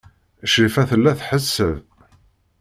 Crifa tella tḥesseb.